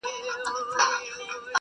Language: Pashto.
o د چلم سر، د پلو پاى٫